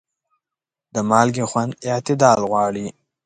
د مالګې خوند اعتدال غواړي.